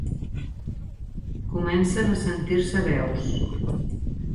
Comencen a sentir-se veus.